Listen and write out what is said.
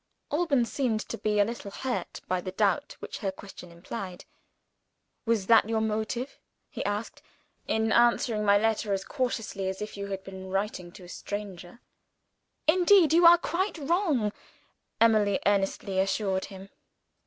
Alban seemed to be a little hurt by the doubt which her question implied. "Was that your motive," he asked, "for answering my letter as cautiously as if you had been writing to a stranger?" "Indeed you are quite wrong!" Emily earnestly assured him.